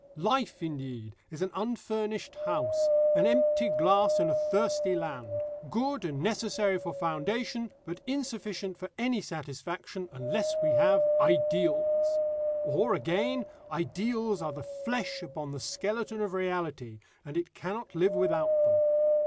Life, indeed, is an unfurnished house, an empty glass in a thirsty land good and necessary for foundation, but insufficient for any satisfaction unless we have ideals. Or, again, ideals are the flesh upon the skeleton of reality, and it cannot live without them.